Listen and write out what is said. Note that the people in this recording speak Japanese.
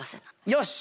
よし！